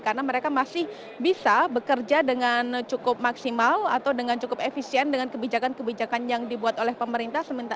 karena mereka masih bisa bekerja dengan cukup maksimal atau dengan cukup efisien dengan kebijakan kebijakan yang dibuat oleh pemerintah